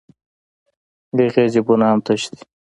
د هغې جېبونه هم تش دي